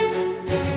oh gak apa apa bu